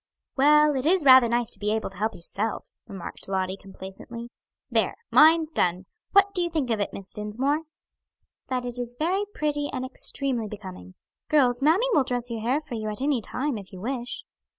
"Well, it is rather nice to be able to help yourself," remarked Lottie complacently. "There! mine's done; what do you think of it, Miss Dinsmore?" "That it is very pretty and extremely becoming. Girls, mammy will dress your hair for you at any time, if you wish."